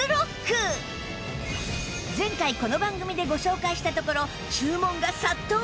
前回この番組でご紹介したところ注文が殺到！